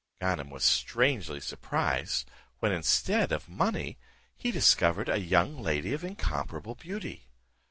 Ganem was strangely surprised, when, instead of money, he discovered a young lady of incomparable beauty.